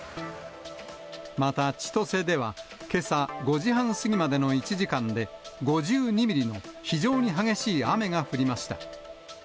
また千歳では、けさ５時半過ぎまでの１時間で、５２ミリの非常に激しい雨が降りました。